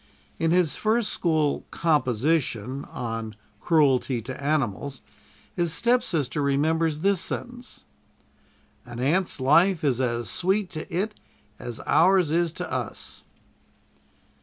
In his first school "composition," on "Cruelty to Animals," his stepsister remembers this sentence: "An ant's life is as sweet to it as ours is to us."